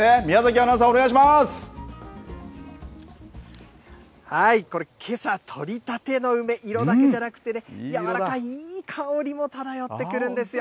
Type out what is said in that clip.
アナウンサー、これ、けさ取りたての梅、色だけじゃなくて、柔らかいいい香りも漂ってくるんですよ。